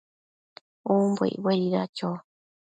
umbo icbuedida cho?